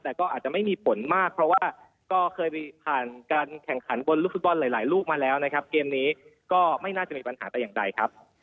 แต่ก็อาจจะไม่มีผลมากเพราะว่าก็เคยผ่านการแข่งขันบนลูกฟุตบอลหลายลูกมาแล้วนะครับเกมนี้ก็ไม่น่าจะมีปัญหาแต่อย่างใดครับ